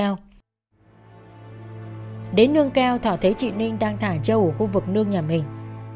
những nương keo thỏa thế trị ninh đang thả trâu ở khu vực nương nhà mình